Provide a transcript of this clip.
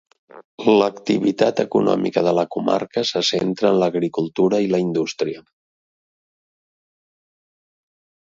L'activitat econòmica de la comarca se centra en l'agricultura i la indústria.